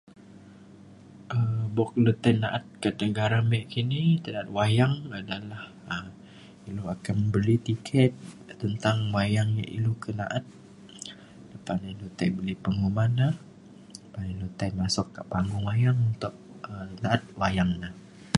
um buk le tai na’at ke tai negara me kini ke na’at wayang adalah ilu akan beli tiket tentang wayang yak ilu ke na’at lepa ina ilu tai beli penguman na pa ilu tai masuk kak panggung wayang untuk um na’at wayang na